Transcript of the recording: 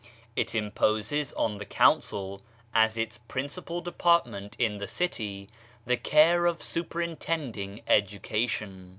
It imposes on the Council, as its principal department in the city, the care of super intending education.